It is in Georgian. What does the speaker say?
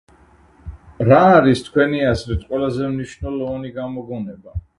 რა არის თქვენი აზრით ყველაზე მნიშვნელოვანი გამოგონება?